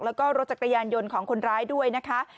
แล้วก็รถจักรยานยนต์ของคนร้ายด้วยนะคะ